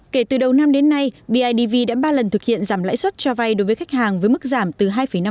kể từ đầu năm đến nay bidv đã ba lần thực hiện giảm lãi suất cho vay đối với khách hàng với mức giảm từ hai năm